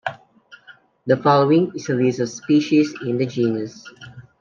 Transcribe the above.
The following is a list of species in the genus.